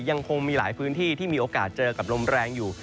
ยังคงมีหลายพื้นที่ที่มีโอกาสเจอกับลมแรงอยู่